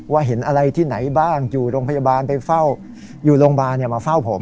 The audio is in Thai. เห็นอะไรที่ไหนบ้างอยู่โรงพยาบาลไปเฝ้าอยู่โรงพยาบาลมาเฝ้าผม